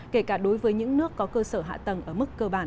kể cả đối với những nước có cơ sở hạ tầng ở mức cơ bản